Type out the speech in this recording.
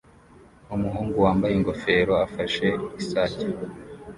Umuhungu wambaye ingofero afashe isake